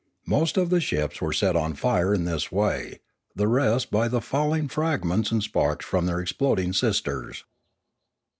Most of the ships were set on fire in this way, the rest by the falling fragments and sparks from their exploding sisters.